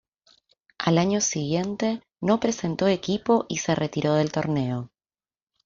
Al año siguiente no presentó equipo y se retiró del torneo.